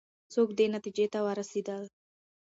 څوک دې نتیجې ته ورسېدل؟